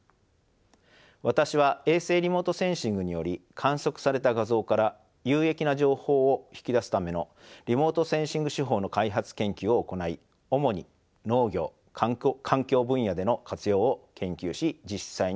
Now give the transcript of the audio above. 私は衛星リモートセンシングにより観測された画像から有益な情報を引き出すためのリモートセンシング手法の開発研究を行い主に農業・環境分野での活用を研究し実際に試しております。